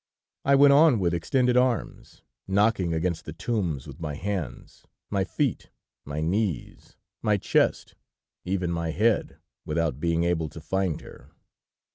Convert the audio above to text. I went on with extended arms, knocking against the tombs with my hands, my feet, my knees, my chest, even with my head, without being able to find her.